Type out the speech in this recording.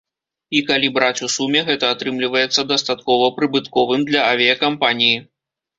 І калі браць у суме, гэта атрымліваецца дастаткова прыбытковым для авіякампаніі.